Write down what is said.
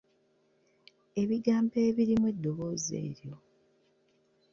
Ebigambo ebirimu eddoboozi eryo.